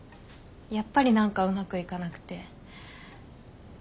やっぱり何かうまくいかなくて。